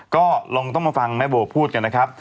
ก็ลองต้องมาฟังแม่โบพูดกันนะครับ